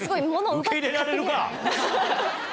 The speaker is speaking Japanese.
受け入れられるか！